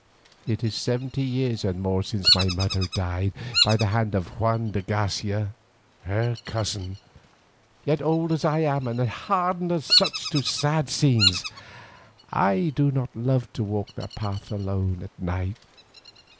It is seventy years and more since my mother died by the hand of Juan de Garcia her cousin, yet old as I am and hardened to such sad scenes, I do not love to walk that path alone at night.